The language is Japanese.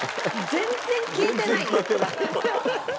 全然消えてない。